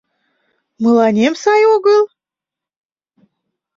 Мыланем сай огыл?